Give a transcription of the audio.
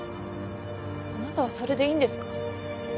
あなたはそれでいいんですか？